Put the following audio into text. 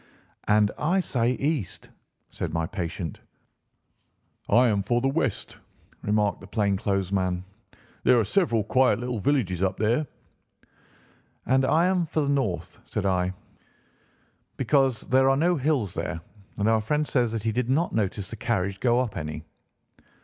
"And I say east," said my patient. "I am for west," remarked the plain clothes man. "There are several quiet little villages up there." "And I am for north," said I, "because there are no hills there, and our friend says that he did not notice the carriage go up any."